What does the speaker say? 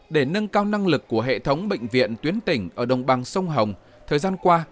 để nâng cao năng lực của hệ thống bệnh viện tuyến tỉnh ở đồng bằng sông hồng thời gian qua